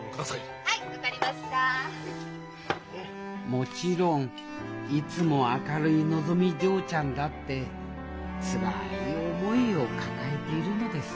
もちろんいつも明るいのぞみ嬢ちゃんだってつらい思いを抱えているのです